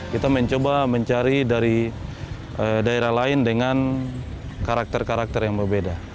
kita mencoba mencari dari daerah lain dengan karakter karakter yang berbeda